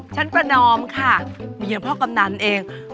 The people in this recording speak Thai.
ฉันประนอมค่ะนี่พ่อกำนันเอง